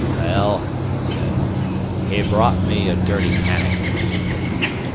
"Well," he said, "he brought me a dirty pannikin!"